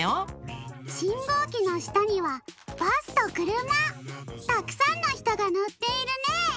しんごうきのしたにはバスとくるま！たくさんのひとがのっているね。